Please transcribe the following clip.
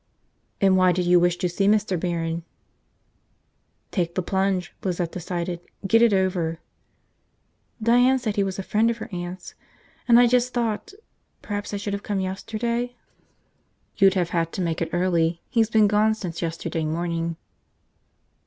"And why did you wish to see Mr. Barron?" Take the plunge, Lizette decided, get it over. "Diane said he was a friend of her aunt's, and I just thought ... perhaps I should have come yesterday?" "You'd have had to make it early. He's been gone since yesterday morning."